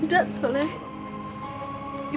ibu tidak mau nyusahkan orang lain